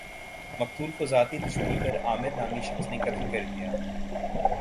مقتول کو ذاتی دشمنی پر عامر نامی شخص نے قتل کردیا